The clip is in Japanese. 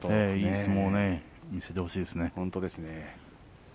いい相撲を見せてほしいですね。